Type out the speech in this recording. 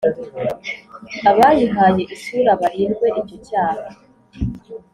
Abayihaye isura Barindwe icyo cyaha!